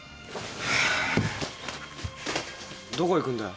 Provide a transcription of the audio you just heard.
どこ行くんだよ？